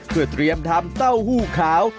เพื่อเตรียมทำเต้าหู้ขาว